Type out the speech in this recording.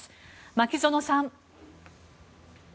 牧園さん。